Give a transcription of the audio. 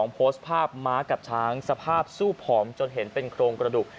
โพสต์ภาพม้ากับช้างสภาพสู้ผอมจนเห็นเป็นโครงกระดูก